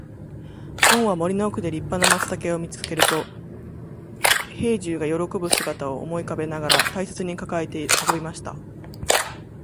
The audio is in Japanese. ごんは森の奥で立派な松茸を見つけると、兵十が喜ぶ姿を思い浮かべながら大切に抱えて運びました。